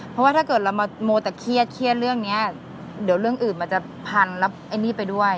เพราะว่าถ้าเกิดเรามามัวแต่เครียดเรื่องนี้เดี๋ยวเรื่องอื่นมันจะพันรับไอ้นี่ไปด้วย